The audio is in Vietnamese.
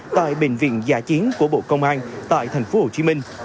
tại bệnh viện giả chiến của bộ công an tại thành phố hồ chí minh